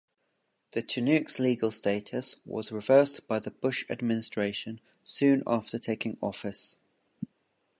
The Chinook's legal status was reversed by the Bush administration soon after taking office.